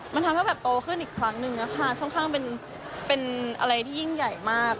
มันทำให้โตขึ้นอีกครั้งนึงนะคะเป็นอะไรที่ยิ่งใหญ่มาก